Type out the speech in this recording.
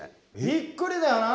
びっくりだよな。